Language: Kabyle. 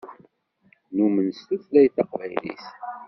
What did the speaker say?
Numen s tutlayt taqbaylit.